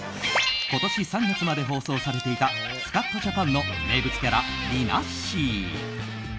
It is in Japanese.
今年３月まで放送されていた「スカッとジャパン」の名物キャラ、りなっしー。